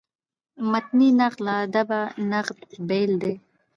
متني نقد له ادبي نقده بېل دﺉ.